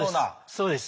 そうです。